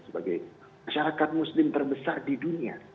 sebagai masyarakat muslim terbesar di dunia